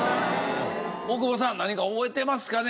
大久保さん何か覚えてますかね？